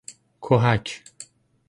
کهک